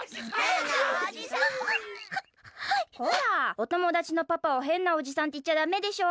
おともだちのパパをへんなおじさんっていっちゃダメでしょ！